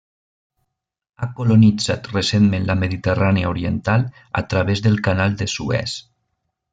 Ha colonitzat recentment la Mediterrània oriental a través del Canal de Suez.